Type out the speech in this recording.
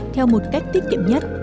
theo một cách tiết kiệm nhất